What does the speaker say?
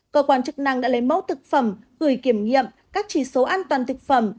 cơ quan chức năng đã lấy mẫu thực phẩm gửi kiểm nghiệm các chỉ số an toàn thực phẩm